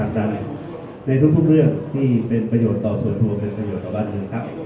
ในทุกเรื่องที่เป็นประโยชน์ต่อส่วนตัวเป็นประโยชน์ต่อบ้านเมืองครับ